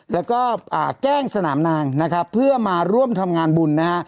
แล้วก็แกล้งสนามนางนะครับเพื่อมาร่วมทำงานบุญนะฮะ